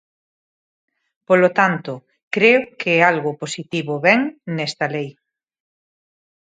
Polo tanto, creo que algo positivo ven nesta lei.